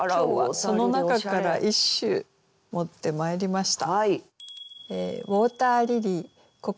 今日はその中から一首持ってまいりました。